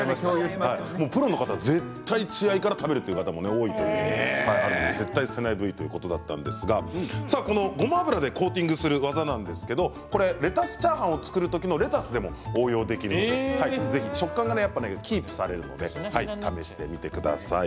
プロの方、絶対に血合いから食べるという方も多いということで絶対に捨てないでくださいということだったんですがごま油でコーティングする技なんですが、レタスチャーハンを作る時のレタスでも応用できるのでぜひ食感がキープされるので試してみてください。